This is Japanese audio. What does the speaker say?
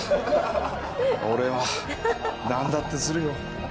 俺はなんだってするよ。